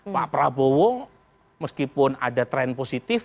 pak prabowo meskipun ada tren positif